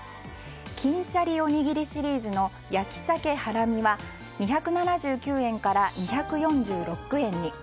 金しゃりおにぎりシリーズの焼さけハラミは２７９円から２４６円に。